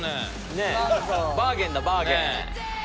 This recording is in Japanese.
ねえバーゲンだバーゲン。